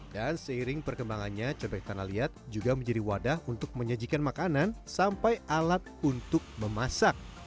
dan seiring perkembangannya cobek tanah liat juga menjadi wadah untuk menyajikan makanan sampai alat untuk memasak